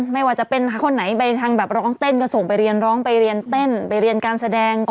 ไม่ว่าจะเป็นคนไหนไปทางแบบร้องเต้นก็ส่งไปเรียนร้องไปเรียนเต้นไปเรียนการแสดง